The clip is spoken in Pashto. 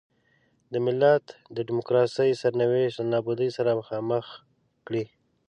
د ملت د ډیموکراسۍ سرنوشت له نابودۍ سره مخامخ کړي.